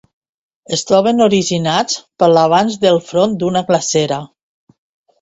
Es troben originats per l’avanç del front d’una glacera.